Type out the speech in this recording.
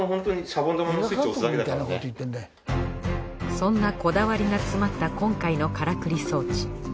そんなこだわりが詰まった今回のからくり装置。